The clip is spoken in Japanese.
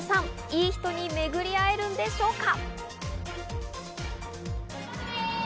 いい人に巡り会えるんでしょうか？